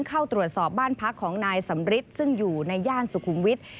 เข้าตรวจสอบบ้านพักของนายสำริทซึ่งอยู่ในย่านสุขุมวิทย์